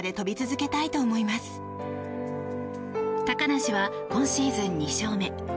高梨は今シーズン２勝目。